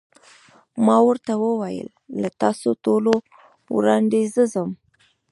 ما ورته وویل: له تاسو ټولو وړاندې زه ځم.